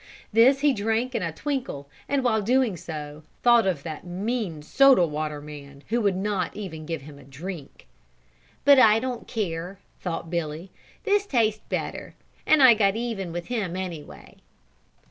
This he drank in a twinkle and while doing so thought of that mean soda water man who would not give him a drink. "But I don't care," thought Billy, "this tastes better, and I got even with him anyway."